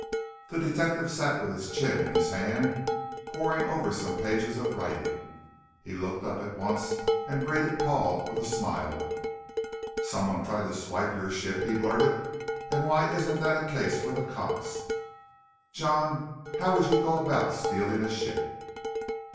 The detective sat with his chin in his hand, poring over some pages of writing. He looked up at once and greeted Paul with a smile. "So someone tried to swipe your ship?" he blurted. "And why isn't that a case for the cops?" "John, how would you go about stealing a ship?"